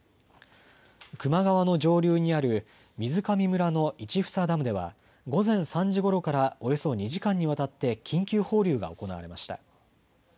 球磨川の上流にある水上村の市房ダムでは午前３時ごろからおよそ２時間にわたって緊急放流が行われました。